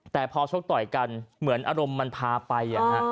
แต่พอชกต่อยกันเหมือนอารมณ์มันพาไป